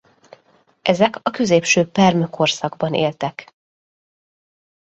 Ezek a középső perm korszakban éltek.